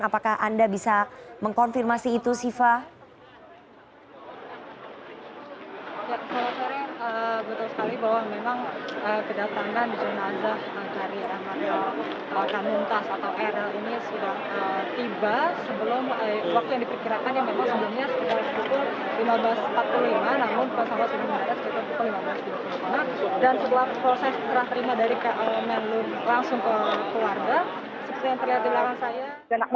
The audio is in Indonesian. apakah anda bisa mengkonfirmasi itu siva